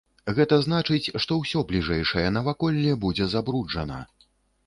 Гэта значыць, што ўсё бліжэйшае наваколле будзе забруджана.